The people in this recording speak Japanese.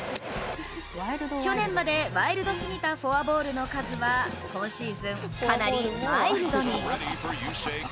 去年までワイルド過ぎたフォアボールの数は今シーズン、かなりマイルドに。